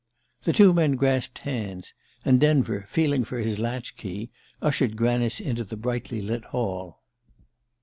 The two men grasped hands, and Denver, feeling for his latch key, ushered Granice into the brightly lit hall.